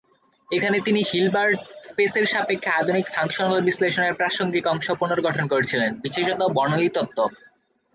এখানে তিনি হিলবার্ট স্পেসের সাপেক্ষে আধুনিক ফাংশনাল বিশ্লেষণের প্রাসঙ্গিক অংশ পুনর্গঠন করেছিলেন, বিশেষত বর্ণালী তত্ত্ব।